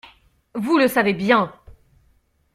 Vous le savez bien.